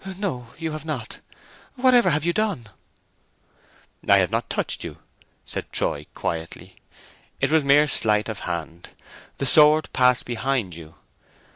—no, you have not! Whatever have you done!" "I have not touched you," said Troy, quietly. "It was mere sleight of hand. The sword passed behind you.